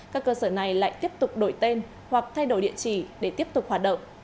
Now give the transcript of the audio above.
các cơ sở này lại tiếp tục đổi tên hoặc thay đổi địa chỉ để tiếp tục hoạt động